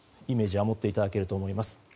イメージは持っていただけると思います。